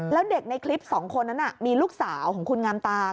แล้วเด็กในคลิปสองคนนั้นมีลูกสาวของคุณงามตา